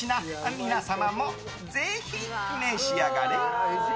皆さんも、ぜひ召し上がれ。